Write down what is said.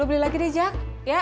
ya lu beli lagi deh jak